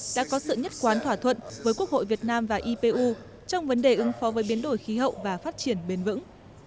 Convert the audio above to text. đã có sự nhất quán thỏa thuận với quốc hội việt nam và ipu trong vấn đề ứng phó với biến đổi khí hậu và phát triển bền vững